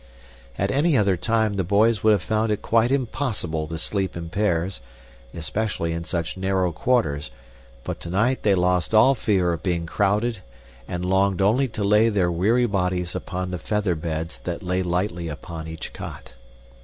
At any other time the boys would have found it quite impossible to sleep in pairs, especially in such narrow quarters, but tonight they lost all fear of being crowded and longed only to lay their weary bodies upon the feather beds that lay lightly upon each cot.